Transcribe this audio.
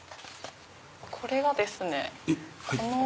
これがですね